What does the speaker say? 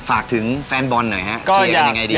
ฝากถึงแฟนบอลหน่อยฮะช่วยกันยังไงดี